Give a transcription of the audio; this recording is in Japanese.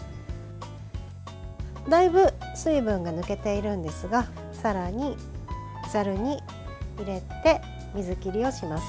だいぶ水分が抜けているんですがさらに、ざるに入れて水切りをします。